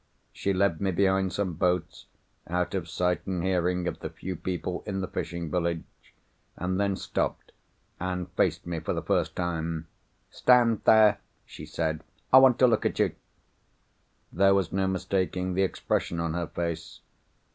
She led me behind some boats, out of sight and hearing of the few people in the fishing village, and then stopped, and faced me for the first time. "Stand there," she said, "I want to look at you." There was no mistaking the expression on her face.